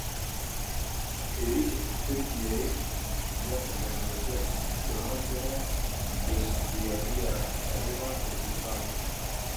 Êrîşên Tirkiyeyê ziyaneke mezin gihandine geştiyariya Herêma Kurdistanê.